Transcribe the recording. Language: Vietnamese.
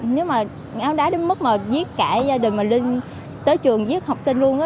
nếu mà ngáo đá đến mức mà giết cả gia đình mà linh tới trường giết học sinh luôn á